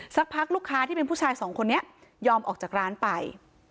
สักพักลูกค้าที่เป็นผู้ชายสองคนนี้ยอมออกจากร้านไป